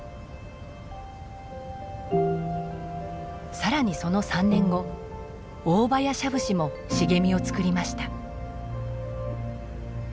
更にその３年後オオバヤシャブシも茂みをつくりました。